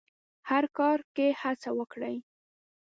هر کار کې هڅه وکړئ.